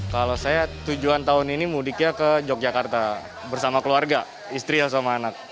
kalau saya tujuan tahun ini mudiknya ke yogyakarta bersama keluarga istri sama anak